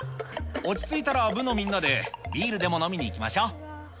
落ち着いたら、部のみんなでビールでも飲みにいきましょう！